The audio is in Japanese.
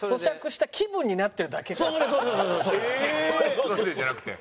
「そうです」じゃなくて。